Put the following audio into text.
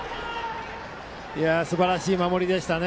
すばらしい守りでしたね。